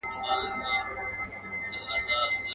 زما تر لحده به آواز د مرغکیو راځي.